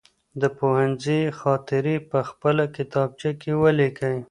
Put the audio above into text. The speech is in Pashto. د پوهنځي خاطرې په خپله کتابچه کي ولیکئ.